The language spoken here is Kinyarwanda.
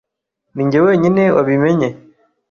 Ninjye wenyine wabimenye.